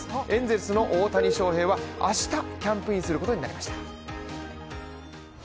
エンゼルスの大谷翔平は、明日キャンプインすることになりました。